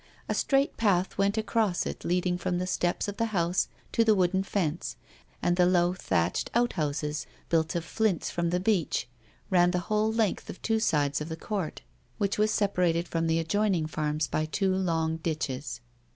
A straight path went across it leading from the steps of the house to the wooden fence, and the low, thatched out houses, built of flints from the beach, ran the whole length of two sides of the court, which was separated from the adjoining farms by two long ditches.